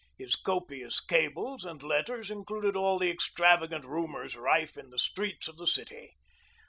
His copious cables and letters included all the extravagant rumors rife in the streets of the city.